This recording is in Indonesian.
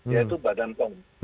yaitu badan pom